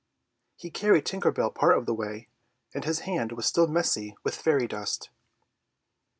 He had carried Tinker Bell part of the way, and his hand was still messy with the fairy dust.